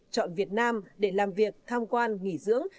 chọn việt nam để làm việc tham quan nghỉ dưỡng